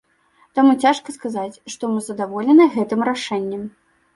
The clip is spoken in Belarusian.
Таму цяжка сказаць, што мы задаволены гэтым рашэннем.